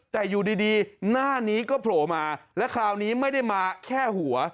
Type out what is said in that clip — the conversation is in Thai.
แต่อยู่ดีหน้านี้ก็โผล่มาและคราวนี้ไม่ได้มาแค่หัว